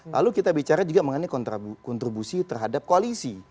lalu kita bicara juga mengenai kontribusi terhadap koalisi